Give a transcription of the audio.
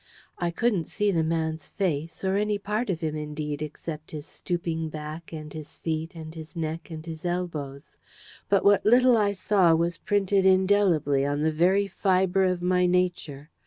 I couldn't see the man's face, or any part of him, indeed, except his stooping back, and his feet, and his neck, and his elbows. But what little I saw was printed indelibly on the very fibre of my nature.